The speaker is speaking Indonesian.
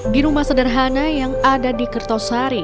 di rumah sederhana yang ada di kertosari